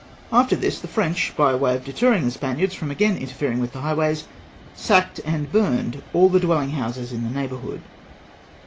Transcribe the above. After this, the French, by way of deterring the Spaniards from again interfering with the highways, sacked and burned all the dwelhng houses in the neighboui"hood.